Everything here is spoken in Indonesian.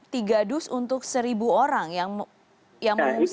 tiga dus untuk seribu orang yang mengungsi